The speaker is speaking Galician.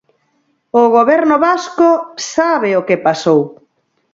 "O Goberno vasco sabe o que pasou".